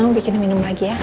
om bikin minum lagi ya